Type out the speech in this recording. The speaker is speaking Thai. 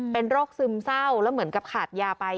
เป็นโรคซึมเศร้าแล้วเหมือนกับขาดยาไป